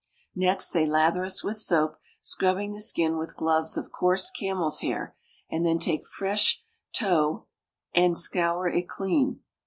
Next they lather us with soap, scrubbing the skin with gloves of coarse camel's hair, and then take fresh tow and scour it clean.